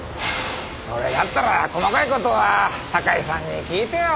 それだったら細かい事は高井さんに聞いてよ。